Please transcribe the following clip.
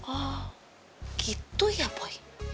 oh gitu ya boy